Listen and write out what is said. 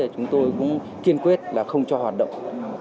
chúng tôi cũng kiên quyết là không cho hoạt động